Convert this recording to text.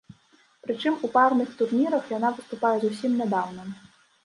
Прычым у парных турнірах яна выступае зусім нядаўна.